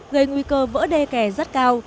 gây nguy cơ vỡ đê kè rất cao